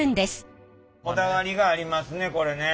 こだわりがありますねこれね。